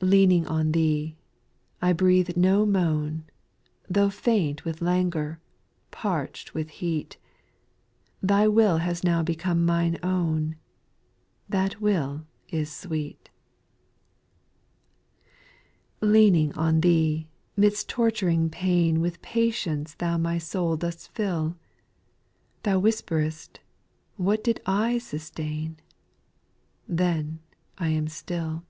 Leaning on Thee, I breathe no moan, Though faint with languor, parch'd with heat; Thy will has now become my own — That will is sweet. 4. Leaning on Thee, midst torturing pain With patience Thou my soul dost fill ; Thou whisperest " What did I sustain ?" Then I am still.